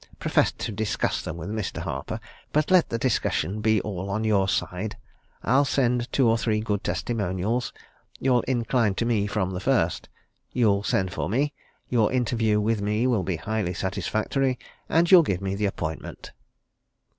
Profess to discuss them with Mr. Harper but let the discussion be all on your side. I'll send two or three good testimonials you'll incline to me from the first. You'll send for me. Your interview with me will be highly satisfactory. And you'll give me the appointment."